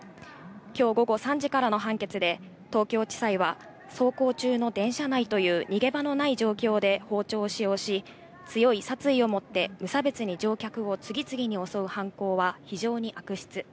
きょう午後３時からの判決で、東京地裁は、走行中の電車内という逃げ場のない状況で包丁を使用し、強い殺意を持って無差別に乗客を次々に襲う犯行は非常に悪質。